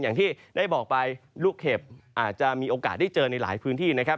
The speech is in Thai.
อย่างที่ได้บอกไปลูกเห็บอาจจะมีโอกาสได้เจอในหลายพื้นที่นะครับ